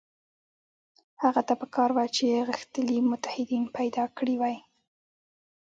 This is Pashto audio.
هغه ته په کار وه چې غښتلي متحدین پیدا کړي وای.